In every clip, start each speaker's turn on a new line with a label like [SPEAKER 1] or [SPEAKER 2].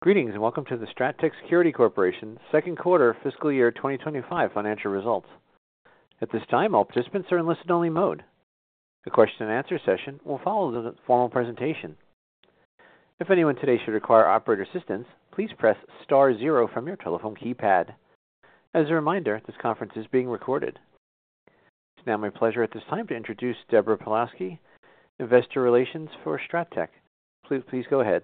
[SPEAKER 1] Greetings and welcome to the Strattec Security Corporation Second Quarter Fiscal Year 2025 Financial Results. At this time, all participants are in listen-only mode. A Q&A session will follow the formal presentation. If anyone today should require operator assistance, please press star zero from your telephone keypad. As a reminder, this conference is being recorded. It's now my pleasure at this time to introduce Deborah Pawlowski, Investor Relations for Strattec. Please go ahead.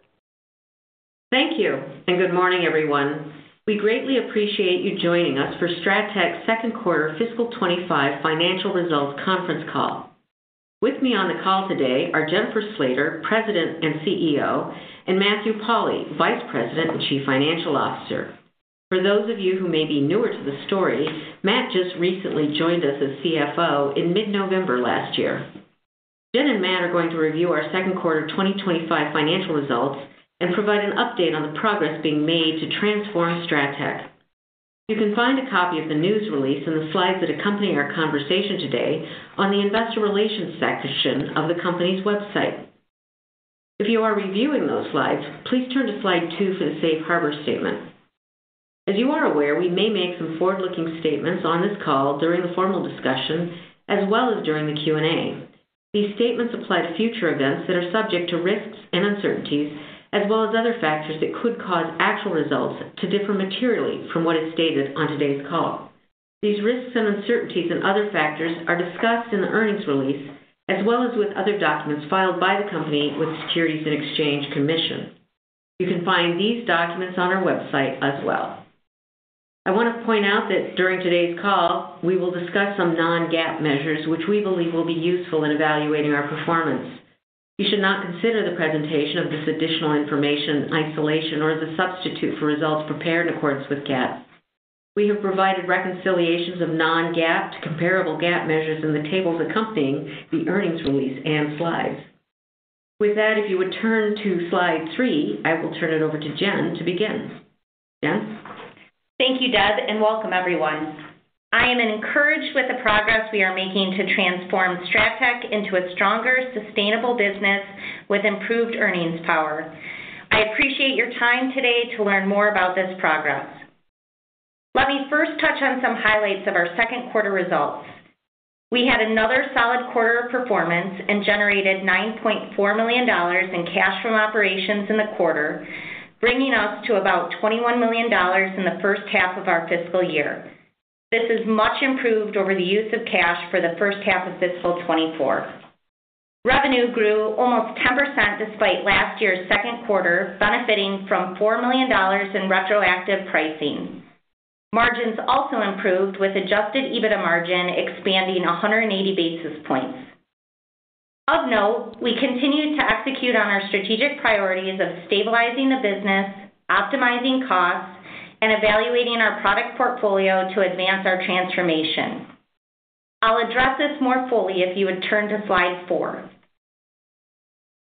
[SPEAKER 2] Thank you and good morning, everyone. We greatly appreciate you joining us for Strattec's Second Quarter Fiscal 2025 Financial Results Conference Call. With me on the call today are Jennifer Slater, President and CEO, and Matthew Pauli, Vice President and Chief Financial Officer. For those of you who may be newer to the story, Matt just recently joined us as CFO in mid-November last year. Jen and Matt are going to review our second quarter 2025 financial results and provide an update on the progress being made to transform Strattec. You can find a copy of the news release and the slides that accompany our conversation today on the Investor Relations section of the company's website. If you are reviewing those slides, please turn to slide two for the safe harbor statement. As you are aware, we may make some forward-looking statements on this call during the formal discussion as well as during the Q&A. These statements apply to future events that are subject to risks and uncertainties as well as other factors that could cause actual results to differ materially from what is stated on today's call. These risks and uncertainties and other factors are discussed in the earnings release as well as with other documents filed by the company with the Securities and Exchange Commission. You can find these documents on our website as well. I want to point out that during today's call, we will discuss some non-GAAP measures which we believe will be useful in evaluating our performance. You should not consider the presentation of this additional information in isolation or as a substitute for results prepared in accordance with GAAP. We have provided reconciliations of non-GAAP to comparable GAAP measures in the tables accompanying the earnings release and slides. With that, if you would turn to slide three, I will turn it over to Jen to begin. Jen?
[SPEAKER 3] Thank you, Deb, and welcome, everyone. I am encouraged with the progress we are making to transform Strattec into a stronger, sustainable business with improved earnings power. I appreciate your time today to learn more about this progress. Let me first touch on some highlights of our second quarter results. We had another solid quarter of performance and generated $9.4 million in cash from operations in the quarter, bringing us to about $21 million in the first half of our fiscal year. This is much improved over the use of cash for the first half of fiscal 2024. Revenue grew almost 10% despite last year's second quarter, benefiting from $4 million in retroactive pricing. Margins also improved with adjusted EBITDA margin expanding 180 basis points. Of note, we continue to execute on our strategic priorities of stabilizing the business, optimizing costs, and evaluating our product portfolio to advance our transformation. I'll address this more fully if you would turn to slide four.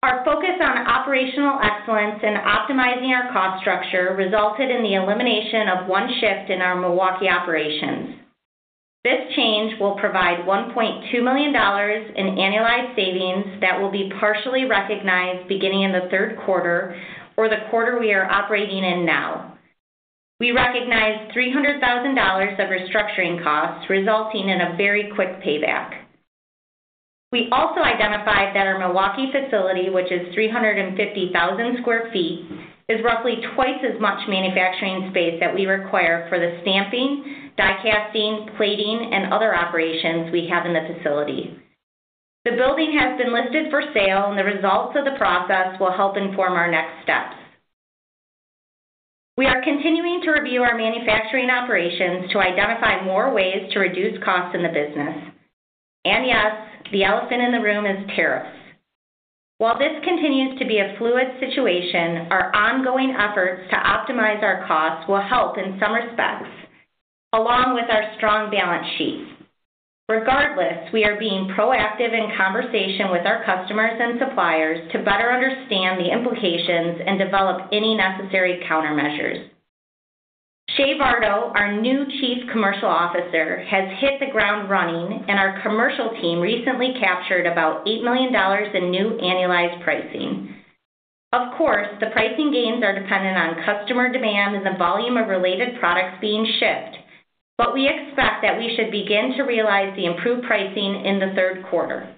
[SPEAKER 3] Our focus on operational excellence and optimizing our cost structure resulted in the elimination of one shift in our Milwaukee operations. This change will provide $1.2 million in annualized savings that will be partially recognized beginning in the third quarter or the quarter we are operating in now. We recognized $300,000 of restructuring costs resulting in a very quick payback. We also identified that our Milwaukee facility, which is 350,000 sq ft, is roughly twice as much manufacturing space that we require for the stamping, die-casting, plating, and other operations we have in the facility. The building has been listed for sale, and the results of the process will help inform our next steps. We are continuing to review our manufacturing operations to identify more ways to reduce costs in the business. Yes, the elephant in the room is tariffs. While this continues to be a fluid situation, our ongoing efforts to optimize our costs will help in some respects, along with our strong balance sheet. Regardless, we are being proactive in conversation with our customers and suppliers to better understand the implications and develop any necessary countermeasures. Chey Varto, our new Chief Commercial Officer, has hit the ground running, and our commercial team recently captured about $8 million in new annualized pricing. Of course, the pricing gains are dependent on customer demand and the volume of related products being shipped, but we expect that we should begin to realize the improved pricing in the third quarter.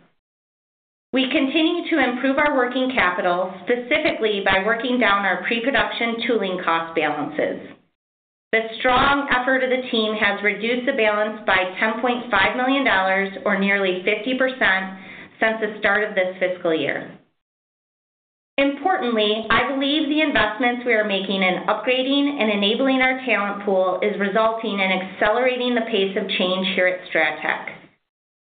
[SPEAKER 3] We continue to improve our working capital specifically by working down our pre-production tooling cost balances. The strong effort of the team has reduced the balance by $10.5 million, or nearly 50%, since the start of this fiscal year. Importantly, I believe the investments we are making in upgrading and enabling our talent pool are resulting in accelerating the pace of change here at Strattec.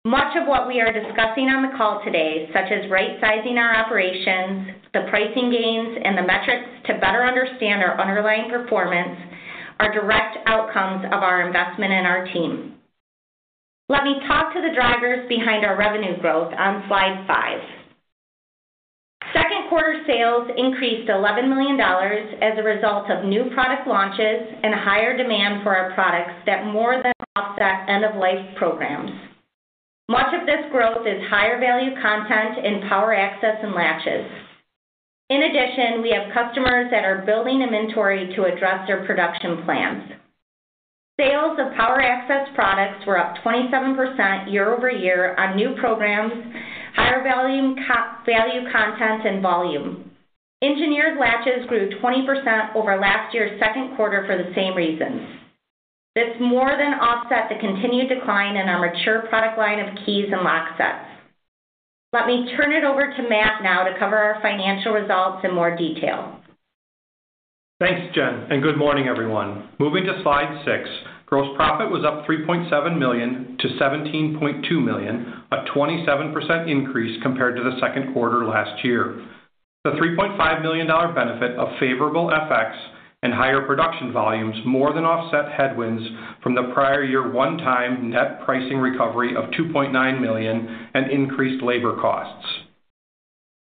[SPEAKER 3] Much of what we are discussing on the call today, such as right-sizing our operations, the pricing gains, and the metrics to better understand our underlying performance, are direct outcomes of our investment in our team. Let me talk to the drivers behind our revenue growth on slide five. Second quarter sales increased $11 million as a result of new product launches and higher demand for our products that more than offset end-of-life programs. Much of this growth is higher value content in Power Access and Latches. In addition, we have customers that are building inventory to address their production plans. Sales of Power Access products were up 27% year over year on new programs, higher value content, and volume. Engineered Latches grew 20% over last year's second quarter for the same reasons. This more than offsets the continued decline in our mature product line of keys and locksets. Let me turn it over to Matt now to cover our financial results in more detail.
[SPEAKER 4] Thanks, Jen, and good morning, everyone. Moving to slide six, gross profit was up $3.7 million-$17.2 million, a 27% increase compared to the second quarter last year. The $3.5 million benefit of favorable FX and higher production volumes more than offset headwinds from the prior year one-time net pricing recovery of $2.9 million and increased labor costs.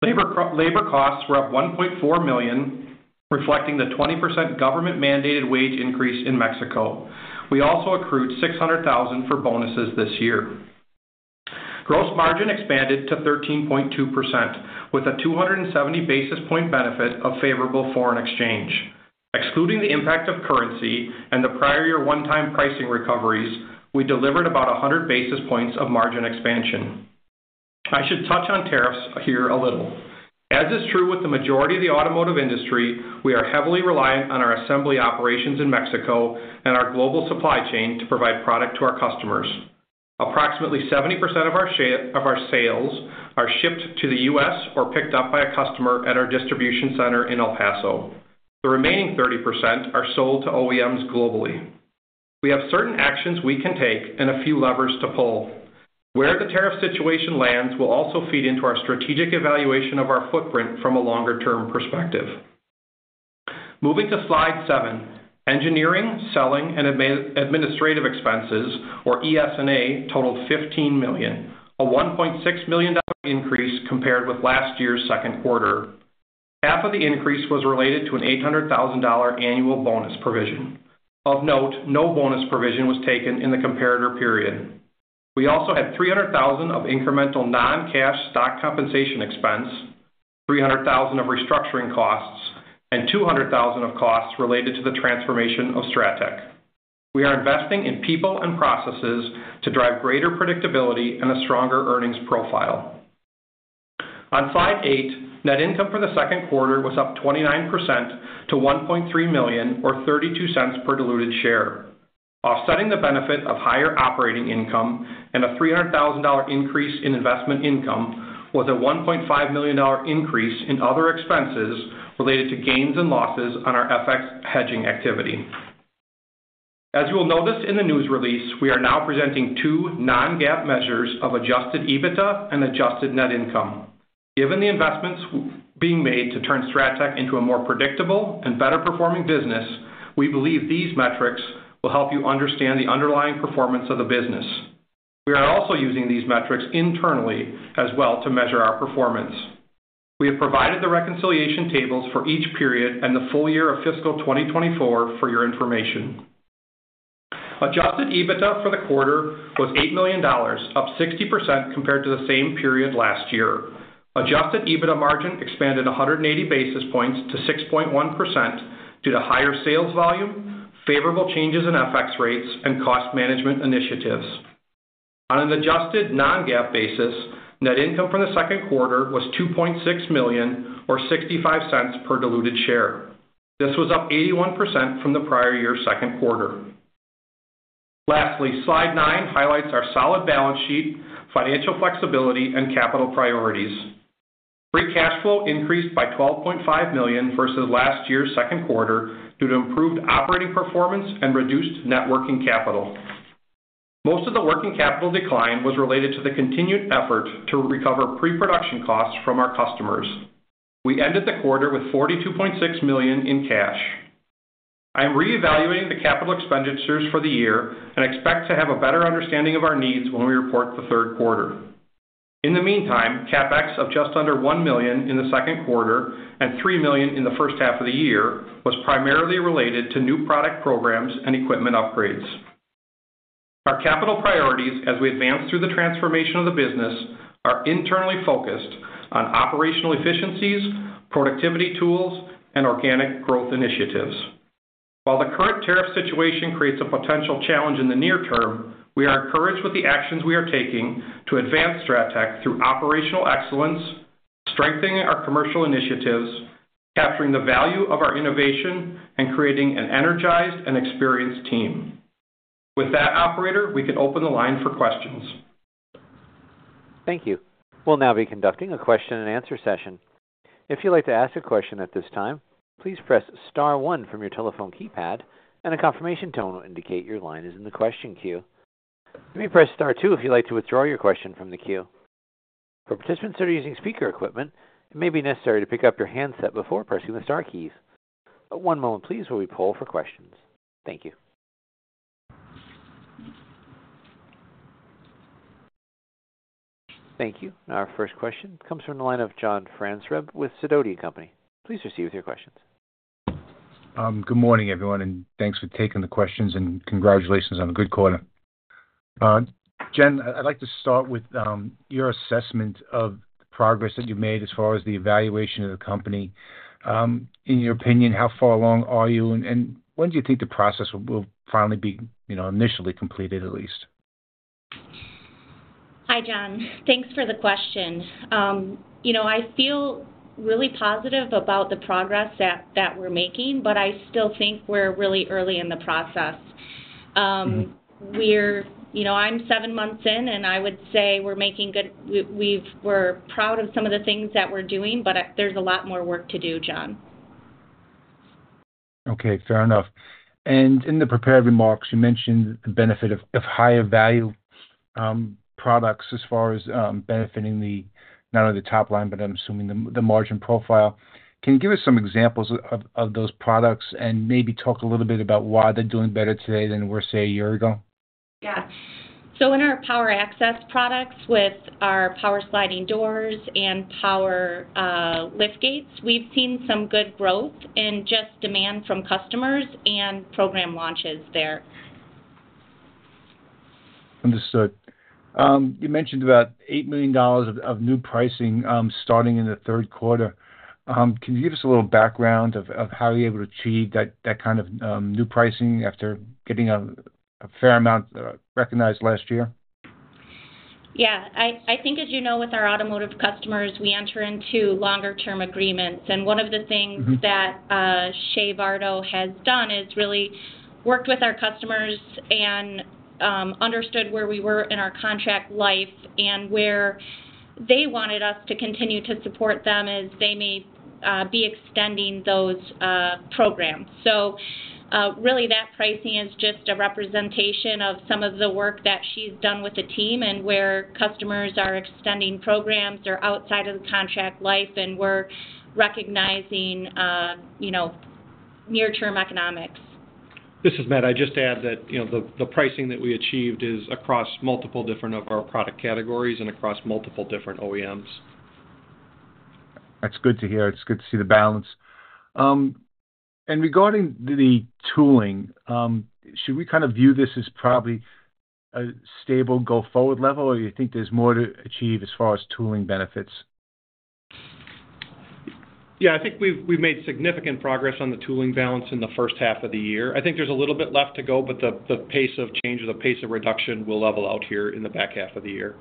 [SPEAKER 4] Labor costs were up $1.4 million, reflecting the 20% government-mandated wage increase in Mexico. We also accrued $600,000 for bonuses this year. Gross margin expanded to 13.2% with a 270 basis point benefit of favorable foreign exchange. Excluding the impact of currency and the prior year one-time pricing recoveries, we delivered about 100 basis points of margin expansion. I should touch on tariffs here a little. As is true with the majority of the automotive industry, we are heavily reliant on our assembly operations in Mexico and our global supply chain to provide product to our customers. Approximately 70% of our sales are shipped to the US or picked up by a customer at our distribution center in El Paso. The remaining 30% are sold to OEMs globally. We have certain actions we can take and a few levers to pull. Where the tariff situation lands will also feed into our strategic evaluation of our footprint from a longer-term perspective. Moving to slide seven, engineering, selling, and administrative expenses, or ES&A, totaled $15 million, a $1.6 million increase compared with last year's second quarter. Half of the increase was related to an $800,000 annual bonus provision. Of note, no bonus provision was taken in the comparator period. We also had $300,000 of incremental non-cash stock compensation expense, $300,000 of restructuring costs, and $200,000 of costs related to the transformation of Strattec. We are investing in people and processes to drive greater predictability and a stronger earnings profile. On slide eight, net income for the second quarter was up 29% to $1.3 million, or $0.32 per diluted share. Offsetting the benefit of higher operating income and a $300,000 increase in investment income was a $1.5 million increase in other expenses related to gains and losses on our FX hedging activity. As you will notice in the news release, we are now presenting two non-GAAP measures of adjusted EBITDA and adjusted net income. Given the investments being made to turn Strattec into a more predictable and better-performing business, we believe these metrics will help you understand the underlying performance of the business. We are also using these metrics internally as well to measure our performance. We have provided the reconciliation tables for each period and the full year of fiscal 2024 for your information. Adjusted EBITDA for the quarter was $8 million, up 60% compared to the same period last year. Adjusted EBITDA margin expanded 180 basis points to 6.1% due to higher sales volume, favorable changes in FX rates, and cost management initiatives. On an adjusted non-GAAP basis, net income for the second quarter was $2.6 million, or $0.65 per diluted share. This was up 81% from the prior year's second quarter. Lastly, slide nine highlights our solid balance sheet, financial flexibility, and capital priorities. Free cash flow increased by $12.5 million versus last year's second quarter due to improved operating performance and reduced net working capital. Most of the working capital decline was related to the continued effort to recover pre-production costs from our customers. We ended the quarter with $42.6 million in cash. I'm reevaluating the capital expenditures for the year and expect to have a better understanding of our needs when we report the third quarter. In the meantime, CapEx of just under $1 million in the second quarter and $3 million in the first half of the year was primarily related to new product programs and equipment upgrades. Our capital priorities as we advance through the transformation of the business are internally focused on operational efficiencies, productivity tools, and organic growth initiatives. While the current tariff situation creates a potential challenge in the near term, we are encouraged with the actions we are taking to advance Strattec through operational excellence, strengthening our commercial initiatives, capturing the value of our innovation, and creating an energized and experienced team. With that, Operator, we can open the line for questions.
[SPEAKER 1] Thank you. We'll now be conducting a Q&A session. If you'd like to ask a question at this time, please press star one from your telephone keypad, and a confirmation tone will indicate your line is in the question queue. You may press star two if you'd like to withdraw your question from the queue. For participants that are using speaker equipment, it may be necessary to pick up your handset before pressing the Star keys. One moment, please, while we pull for questions. Thank you. Thank you. Our first question comes from the line of John Franzreb with Sidoti & Company. Please proceed with your questions.
[SPEAKER 5] Good morning, everyone, and thanks for taking the questions, and congratulations on a good quarter. Jen, I'd like to start with your assessment of the progress that you've made as far as the evaluation of the company. In your opinion, how far along are you, and when do you think the process will finally be initially completed, at least?
[SPEAKER 3] Hi, John. Thanks for the question. I feel really positive about the progress that we're making, but I still think we're really early in the process. I'm seven months in, and I would say we're making good, we're proud of some of the things that we're doing, but there's a lot more work to do, John.
[SPEAKER 5] Okay, fair enough. In the prepared remarks, you mentioned the benefit of higher value products as far as benefiting not only the top line, but I'm assuming the margin profile. Can you give us some examples of those products and maybe talk a little bit about why they're doing better today than we were, say, a year ago?
[SPEAKER 3] Yeah. So in our Power Access products with our Power Sliding Doors and Power Liftgates, we've seen some good growth in just demand from customers and program launches there.
[SPEAKER 5] Understood. You mentioned about $8 million of new pricing starting in the third quarter. Can you give us a little background of how you were able to achieve that kind of new pricing after getting a fair amount recognized last year?
[SPEAKER 3] Yeah. I think, as you know, with our automotive customers, we enter into longer-term agreements. One of the things that Chey Varto has done is really worked with our customers and understood where we were in our contract life and where they wanted us to continue to support them as they may be extending those programs. That pricing is just a representation of some of the work that she's done with the team and where customers are extending programs or outside of the contract life and we're recognizing near-term economics.
[SPEAKER 4] This is Matt. I just add that the pricing that we achieved is across multiple different of our product categories and across multiple different OEMs.
[SPEAKER 5] That's good to hear. It's good to see the balance. Regarding the tooling, should we kind of view this as probably a stable go-forward level, or do you think there's more to achieve as far as tooling benefits?
[SPEAKER 4] Yeah, I think we've made significant progress on the tooling balance in the first half of the year. I think there's a little bit left to go, but the pace of change or the pace of reduction will level out here in the back half of the year.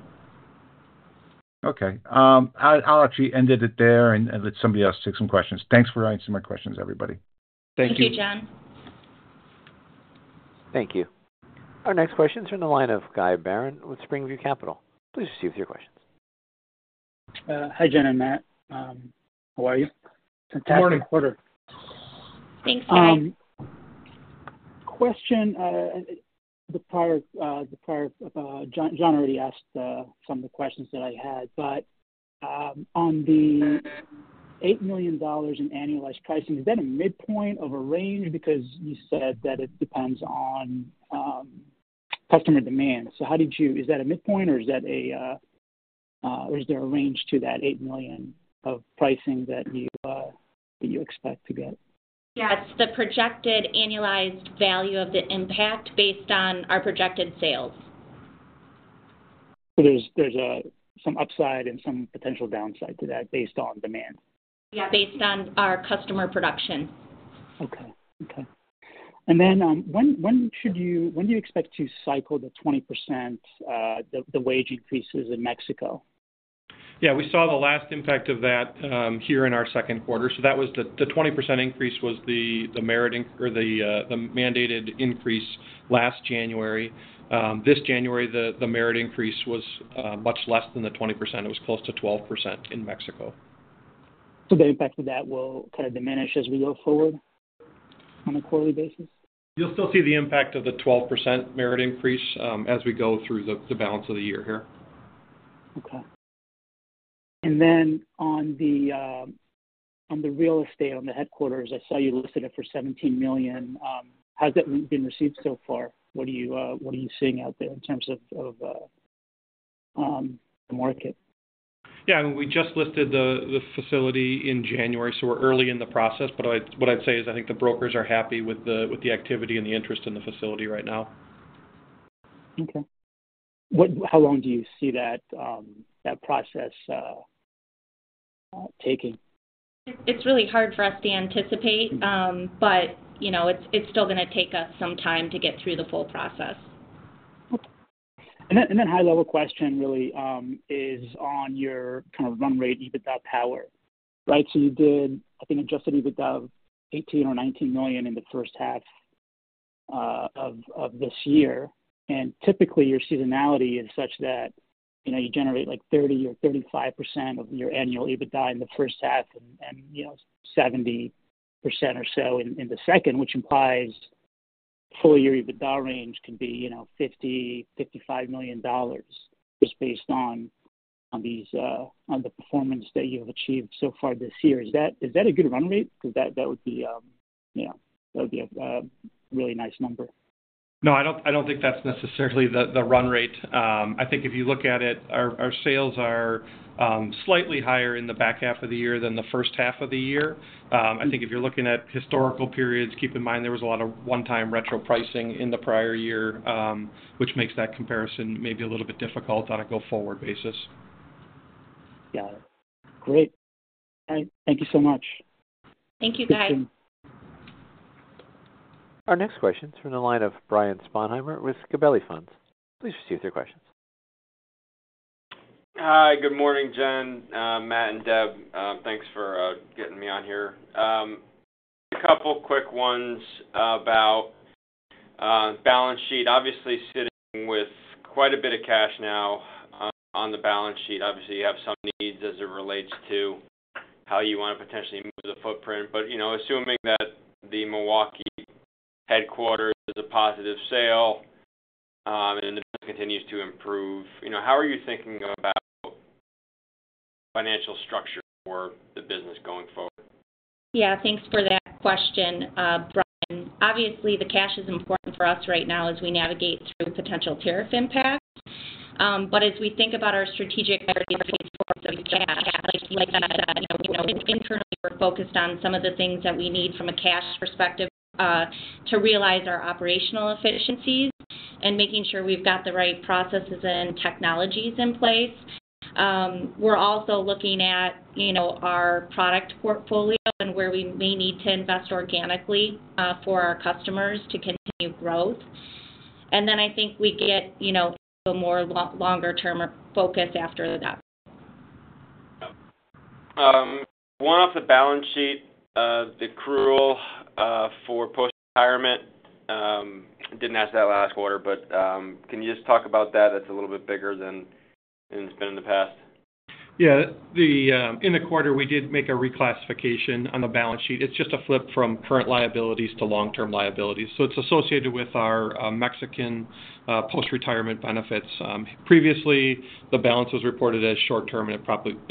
[SPEAKER 5] Okay. I'll actually end it there, and let somebody else take some questions. Thanks for answering my questions, everybody.
[SPEAKER 4] Thank you.
[SPEAKER 3] Thank you, John.
[SPEAKER 1] Thank you. Our next question is from the line of Guy Baron with Springview Capital. Please proceed with your questions.
[SPEAKER 6] Hi, Jen and Matt.
[SPEAKER 4] How are you?
[SPEAKER 3] Thanks, Matt.
[SPEAKER 6] Question. John already asked some of the questions that I had, but on the $8 million in annualized pricing, is that a midpoint of a range? Because you said that it depends on customer demand. How did you is that a midpoint, or is there a range to that $8 million of pricing that you expect to get?
[SPEAKER 3] Yeah, it's the projected annualized value of the impact based on our projected sales.
[SPEAKER 6] There's some upside and some potential downside to that based on demand?
[SPEAKER 3] Yeah, based on our customer production.
[SPEAKER 6] Okay. Okay. When do you expect to cycle the 20% wage increases in Mexico?
[SPEAKER 4] Yeah, we saw the last impact of that here in our second quarter. That was the 20% increase, was the mandated increase last January. This January, the merit increase was much less than the 20%. It was close to 12% in Mexico.
[SPEAKER 6] The impact of that will kind of diminish as we go forward on a quarterly basis?
[SPEAKER 4] You'll still see the impact of the 12% merit increase as we go through the balance of the year here.
[SPEAKER 6] Okay. On the real estate on the headquarters, I saw you listed it for $17 million. How's that been received so far? What are you seeing out there in terms of the market?
[SPEAKER 4] Yeah, we just listed the facility in January, so we're early in the process. What I'd say is I think the brokers are happy with the activity and the interest in the facility right now.
[SPEAKER 6] Okay. How long do you see that process taking?
[SPEAKER 3] It's really hard for us to anticipate, but it's still going to take us some time to get through the full process.
[SPEAKER 6] Okay. High-level question really is on your kind of run rate EBITDA power, right? You did, I think, adjusted EBITDA of $18 million or $19 million in the first half of this year. Typically, your seasonality is such that you generate like 30% or 35% of your annual EBITDA in the first half and 70% or so in the second, which implies full year EBITDA range can be $50 million-$55 million just based on the performance that you have achieved so far this year. Is that a good run rate? Because that would be a really nice number.
[SPEAKER 4] No, I don't think that's necessarily the run rate. I think if you look at it, our sales are slightly higher in the back half of the year than the first half of the year. I think if you're looking at historical periods, keep in mind there was a lot of one-time retro pricing in the prior year, which makes that comparison maybe a little bit difficult on a go-forward basis.
[SPEAKER 6] Got it. Great. Thank you so much.
[SPEAKER 3] Thank you, Guy.
[SPEAKER 1] Our next question is from the line of Brian Sponheimer with Gabelli Funds. Please proceed with your questions.
[SPEAKER 7] Hi, good morning, Jen, Matt, and Deb. Thanks for getting me on here. A couple of quick ones about balance sheet. Obviously, sitting with quite a bit of cash now on the balance sheet, obviously, you have some needs as it relates to how you want to potentially move the footprint. Assuming that the Milwaukee headquarters is a positive sale and the business continues to improve, how are you thinking about financial structure for the business going forward?
[SPEAKER 3] Yeah, thanks for that question, Brian. Obviously, the cash is important for us right now as we navigate through potential tariff impacts. As we think about our strategic priorities moving forward, like you said, internally, we're focused on some of the things that we need from a cash perspective to realize our operational efficiencies and making sure we've got the right processes and technologies in place. We're also looking at our product portfolio and where we may need to invest organically for our customers to continue growth. I think we get into a more longer-term focus after that.
[SPEAKER 7] Going off the balance sheet, the accrual for post-retirement, I did not ask that last quarter, but can you just talk about that? That is a little bit bigger than it has been in the past.
[SPEAKER 4] Yeah. In the quarter, we did make a reclassification on the balance sheet. It's just a flip from current liabilities to long-term liabilities. It's associated with our Mexican post-retirement benefits. Previously, the balance was reported as short-term, and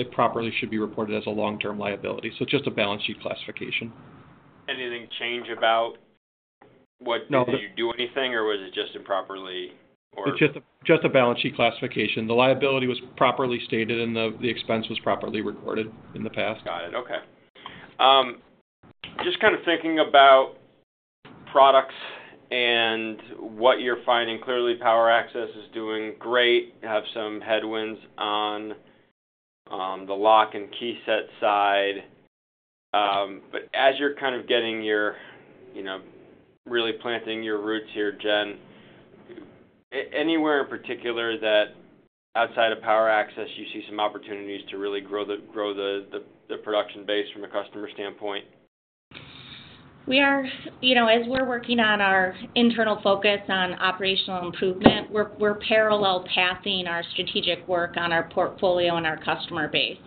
[SPEAKER 4] it properly should be reported as a long-term liability. It's just a balance sheet classification.
[SPEAKER 7] Anything change about what?
[SPEAKER 4] No.
[SPEAKER 7] Did you do anything, or was it just improperly?
[SPEAKER 4] It's just a balance sheet classification. The liability was properly stated, and the expense was properly recorded in the past.
[SPEAKER 7] Got it. Okay. Just kind of thinking about products and what you're finding, clearly, Power Access is doing great, have some headwinds on the lock and key set side. As you're kind of getting your really planting your roots here, Jen, anywhere in particular that outside of Power Access, you see some opportunities to really grow the production base from a customer standpoint?
[SPEAKER 3] We are. As we're working on our internal focus on operational improvement, we're parallel pathing our strategic work on our portfolio and our customer base.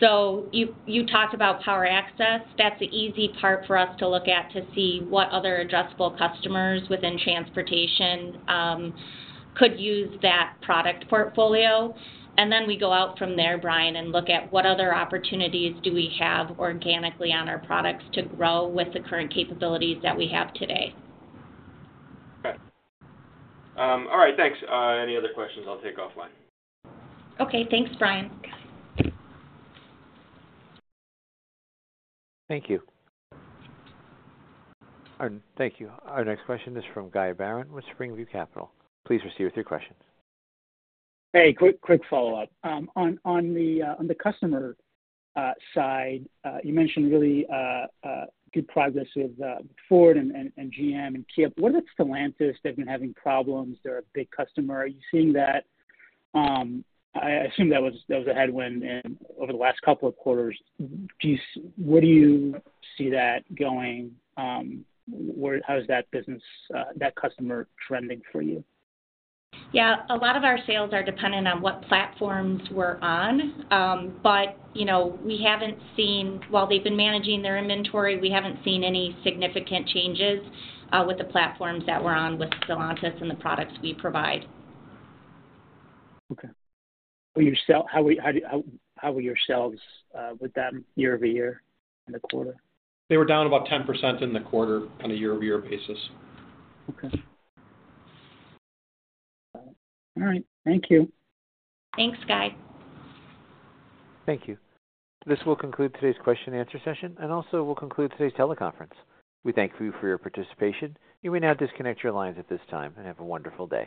[SPEAKER 3] You talked about Power Access. That's the easy part for us to look at to see what other addressable customers within transportation could use that product portfolio. We go out from there, Brian, and look at what other opportunities do we have organically on our products to grow with the current capabilities that we have today.
[SPEAKER 7] Okay. All right. Thanks. Any other questions? I'll take offline.
[SPEAKER 3] Okay. Thanks, Brian.
[SPEAKER 1] Thank you. Thank you. Our next question is from Guy Baron with Springview Capital. Please proceed with your questions.
[SPEAKER 6] Hey, quick follow-up. On the customer side, you mentioned really good progress with Ford and GM and Kia. What about Stellantis? They've been having problems. They're a big customer. Are you seeing that? I assume that was a headwind over the last couple of quarters. Where do you see that going? How is that business, that customer trending for you?
[SPEAKER 3] Yeah. A lot of our sales are dependent on what platforms we're on. We haven't seen, while they've been managing their inventory, we haven't seen any significant changes with the platforms that we're on with Stellantis and the products we provide.
[SPEAKER 6] Okay. How were your sales with them year over year in the quarter?
[SPEAKER 4] They were down about 10% in the quarter on a year-over-year basis.
[SPEAKER 6] Okay. All right. Thank you.
[SPEAKER 3] Thanks, Guy.
[SPEAKER 1] Thank you. This will conclude today's Q&A session, and also will conclude today's teleconference. We thank you for your participation. You may now disconnect your lines at this time and have a wonderful day.